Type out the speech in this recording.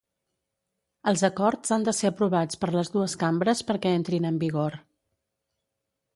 Els acords han de ser aprovats per les dues cambres perquè entrin en vigor.